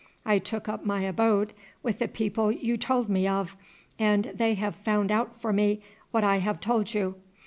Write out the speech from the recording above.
I took up my abode with the people you told me of, and they have found out for me what I have told you.